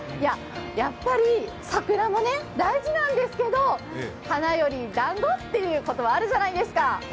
やっぱり桜も大事なんですけど花よりだんごってこともあるじゃないですか。